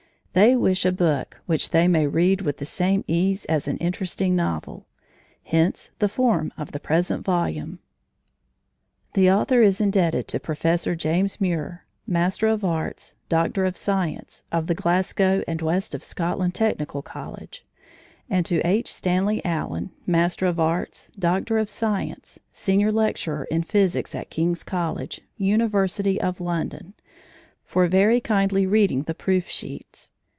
They wish a book which they may read with the same ease as an interesting novel. Hence the form of the present volume. The author is indebted to Professor James Muir, M.A., D.Sc., of the Glasgow and West of Scotland Technical College, and to H. Stanley Allen, M.A., D.Sc., Senior Lecturer in Physics at King's College, University of London, for very kindly reading the proof sheets.